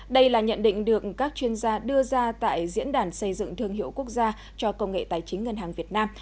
đây là nhận định được các chuyên gia đưa ra tại diễn đàn xây dựng thương hiệu quốc gia cho công nghệ tài chính ngân hàng việt nam